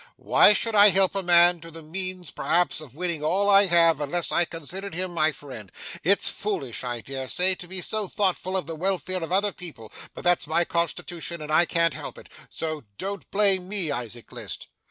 Why should I help a man to the means perhaps of winning all I have, unless I considered him my friend? It's foolish, I dare say, to be so thoughtful of the welfare of other people, but that's my constitution, and I can't help it; so don't blame me, Isaac List.